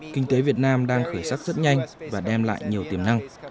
kinh tế việt nam đang khởi sắc rất nhanh và đem lại nhiều tiềm năng